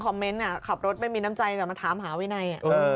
ขับรถไม่มีน้ำใจก็มาถามหาวินัย